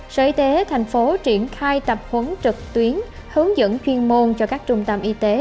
sở y tế thành phố triển khai tập huấn trực tuyến hướng dẫn chuyên môn cho các trung tâm y tế